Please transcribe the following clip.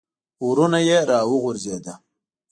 ورونه یې را وغورځېده.